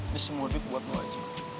ini semua duit buat lo aja